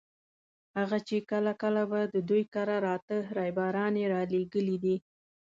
هغه چې کله کله به د دوی کره راته ريباران یې رالېږلي دي.